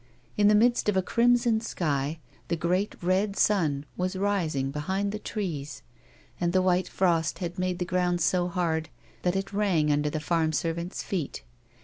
In the midst of a crimson sky, the great red sun was rising behind the trees, and the white frost had made the ground so hard that it rang under the farm servants' feet.